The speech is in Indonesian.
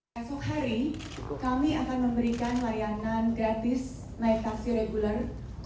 esok hari kami akan memberikan layanan gratis naik taksi reguler